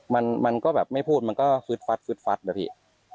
มันมันก็แบบไม่พูดมันก็ฟึดฟัดฟึดฟัดนะพี่